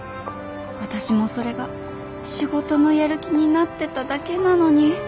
私もそれが仕事のやる気になってただけなのに。